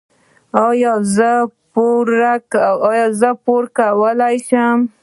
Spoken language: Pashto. ایا زه پور کولی شم؟